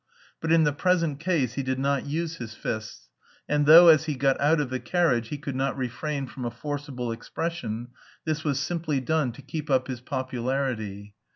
But in the present case he did not use his fists, and though as he got out of the carriage he could not refrain from a forcible expression, this was simply done to keep up his popularity.